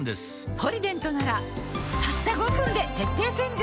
「ポリデント」ならたった５分で徹底洗浄